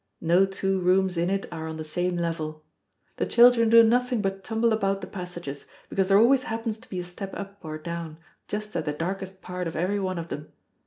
No two rooms in it are on the same level. The children do nothing but tumble about the passages, because there always happens to be a step up or down, just at the darkest part of every one of them.